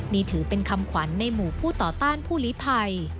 นี่ถือเป็นคำขวัญในหมู่ผู้ต่อต้านผู้ลิภัย